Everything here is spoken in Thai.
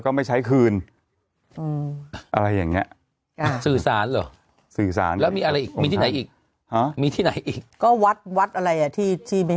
ก็บอกเลยว่าห้ามรายการสักสาย